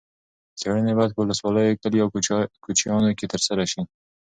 څېړنې باید په ولسوالیو، کلیو او کوچیانو کې ترسره شي.